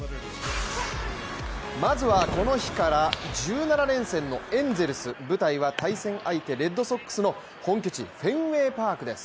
まずはこの日から１７連戦のエンゼルス、舞台は、対戦相手レッドソックスの本拠地、フェンウェイ・パークです。